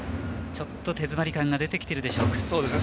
ちょっと手詰まり感が出ているでしょうかね。